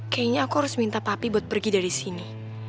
kayaknya aku harus minta papi buat pergi dari sini